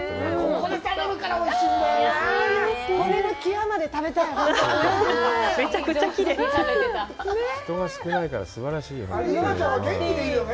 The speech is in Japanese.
そこで食べるからおいしいんだよね。